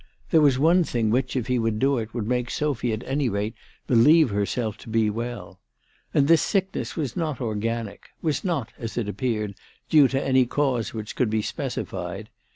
There was one thing which, if he would do it, would make Sophy at any rate believe herself to be well. And this sickness was not organic, was not, as it appeared, due to any cause which could be specified.